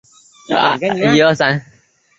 其后经历不详。